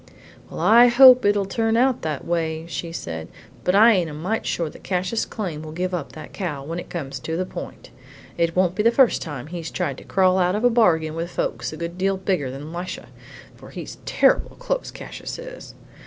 "Well, I hope it'll turn out that way," she said. "But I ain't a mite sure that Cassius Came will give up that cow when it comes to the point. It won't be the first time he's tried to crawl out of a bargain with folks a good deal bigger than Lisha, for he's terrible close, Cassius is.